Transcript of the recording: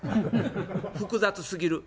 複雑すぎる。